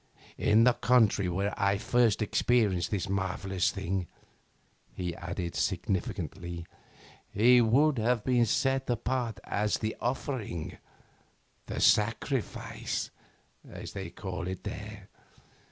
'In the country where I first experienced this marvellous thing,' he added significantly, 'he would have been set apart as the offering, the sacrifice, as they call it there.